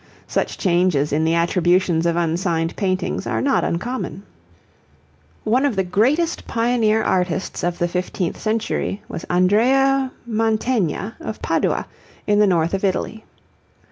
Such changes in the attributions of unsigned paintings are not uncommon. One of the greatest pioneer artists of the fifteenth century was Andrea Mantegna of Padua in the north of Italy.